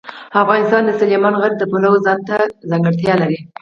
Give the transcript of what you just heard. افغانستان د سلیمان غر د پلوه ځانته ځانګړتیا لري.